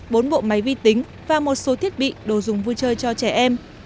bốn bộ máy vi tính và một số thiết bị đồ dùng vui chơi cho trẻ em